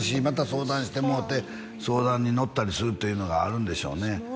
相談してもろて相談に乗ったりするというのがあるんでしょうね